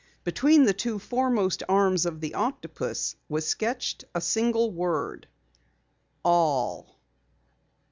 Between the two foremost arms of the octopus was sketched a single word: ALL.